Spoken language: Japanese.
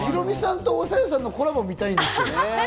ヒロミさんとおさよさんのコラボを見たいんですけど。